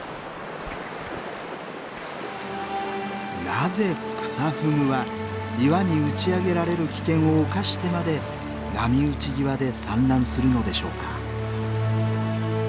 なぜクサフグは岩に打ち上げられる危険を冒してまで波打ち際で産卵するのでしょうか？